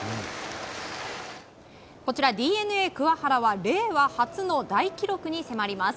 こちらＤｅＮＡ、桑原は令和初の大記録に迫ります。